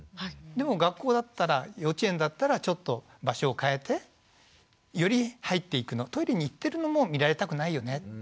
でも学校だったら幼稚園だったらちょっと場所を変えてより入っていくのトイレに行ってるのも見られたくないよね。